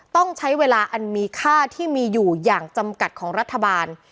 ต้องใช้เวลาอันมีค่าที่มีอยู่อย่างจำกัดของรัฐบาล